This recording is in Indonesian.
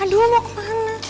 aduh mau kemana